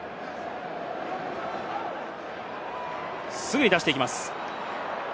すぐに出していきます。